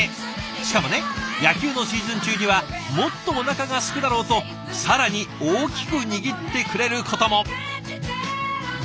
しかもね野球のシーズン中にはもっとおなかがすくだろうと更に大きく握ってくれることも！